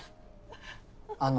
あの。